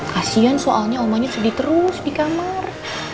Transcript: kasian soalnya omanya sedih terus di kamar